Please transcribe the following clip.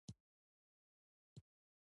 ټوله ورځ په کور کې وم.